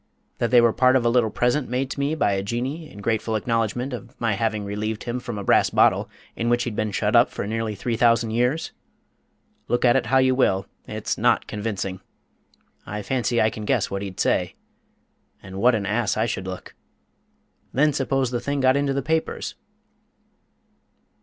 That they were part of a little present made to me by a Jinnee in grateful acknowledgment of my having relieved him from a brass bottle in which he'd been shut up for nearly three thousand years? Look at it how you will, it's not convincing. I fancy I can guess what he'd say. And what an ass I should look! Then suppose the thing got into the papers?"